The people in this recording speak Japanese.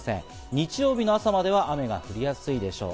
日曜日の朝までは雨が降りやすいでしょう。